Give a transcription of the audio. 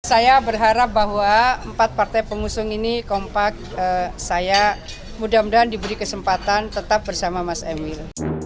saya berharap bahwa empat partai pengusung ini kompak saya mudah mudahan diberi kesempatan tetap bersama mas emil